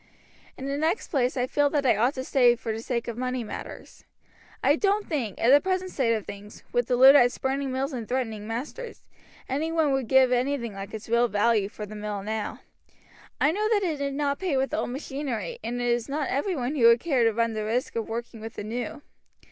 "In the next place I feel that I ought to stay for the sake of money matters. I don't think, in the present state of things, with the Luddites burning mills and threatening masters, any one would give anything like its real value for the mill now. I know that it did not pay with the old machinery, and it is not every one who would care to run the risk of working with the new.